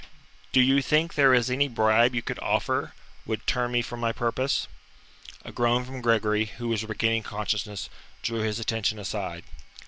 Do you think there is any bribe you could offer would turn me from my purpose?" A groan from Gregory, who was regaining consciousness, drew his attention aside.